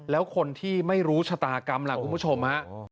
แล้วคนที่ไม่รู้ชะตากรรมล่ะคุณผู้ชมฮะ